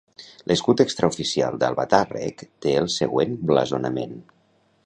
L'escut extraoficial d'Albatàrrec té el següent blasonament.